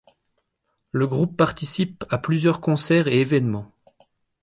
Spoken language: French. Le groupe participe à plusieurs concerts et événements.